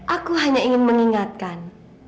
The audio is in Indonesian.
aku hanya ingin mengingatkan